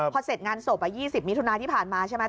พอเสร็จงานศพ๒๐มิถุนาที่ผ่านมาใช่ไหม